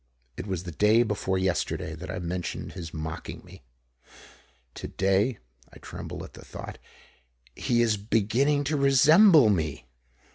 It was the day before yesterday that I mentioned his mocking me. Today I tremble at the thought he is beginning to resemble me!